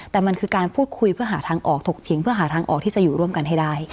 แต่มันคือการพูดคุยเพื่อหาทางออกถกเถียงเพื่อหาทางออกที่จะอยู่ร่วมกันให้ได้